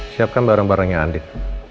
siapkan barang barangnya andin